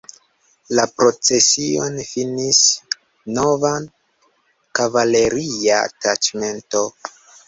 La procesion finis nova kavaleria taĉmento.